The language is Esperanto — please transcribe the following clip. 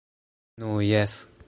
- Nu, jes...